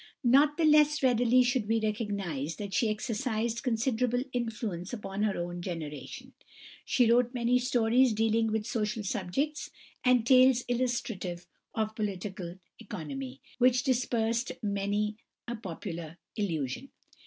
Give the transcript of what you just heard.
Not the less readily should we recognise that she exercised considerable influence upon her own generation. She wrote many stories dealing with social subjects, and tales illustrative of Political Economy, which dispersed many a popular illusion.